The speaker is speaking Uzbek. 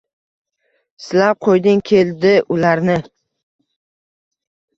Silab qo’yging keldi ularni.